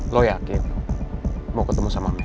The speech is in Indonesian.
lo yakin mau ketemu sama